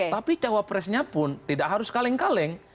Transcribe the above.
tapi cawapresnya pun tidak harus kaleng kaleng